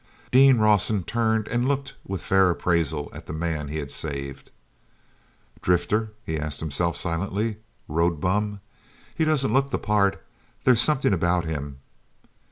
Dean Rawson turned and looked with fair appraisal at the man he had saved. "Drifter?" he asked himself silently. "Road bum? He doesn't look the part; there's something about him...."